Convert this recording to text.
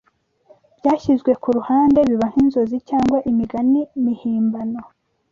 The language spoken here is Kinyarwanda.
byashyizwe ku ruhande biba nk’inzozi cyangwa imigani mihimbano.